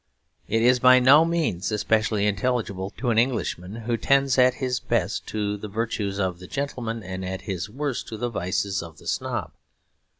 It is by no means especially intelligible to an Englishman, who tends at his best to the virtues of the gentleman and at his worst to the vices of the snob.